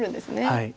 はい。